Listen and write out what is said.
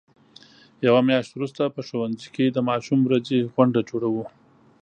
یوه میاشت وروسته په ښوونځي کې د ماشوم ورځې غونډه جوړو.